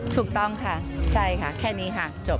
ถูกต้องค่ะใช่ค่ะแค่นี้ค่ะจบ